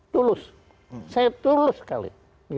tulus saya tulus sekali